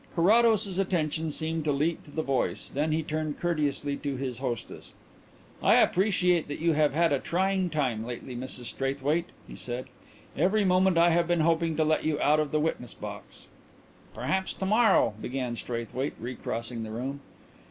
Carrados's attention seemed to leap to the voice; then he turned courteously to his hostess. "I appreciate that you have had a trying time lately, Mrs Straithwaite," he said. "Every moment I have been hoping to let you out of the witness box " "Perhaps to morrow " began Straithwaite, recrossing the room.